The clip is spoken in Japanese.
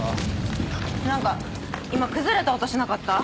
何か今崩れた音しなかった？